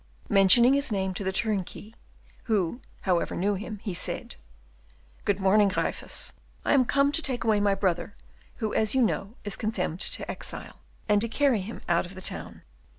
Mentioning his name to the turnkey, who however knew him, he said, "Good morning, Gryphus; I am coming to take away my brother, who, as you know, is condemned to exile, and to carry him out of the town."